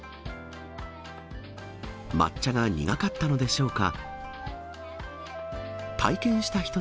抹茶が苦かったのでしょうか。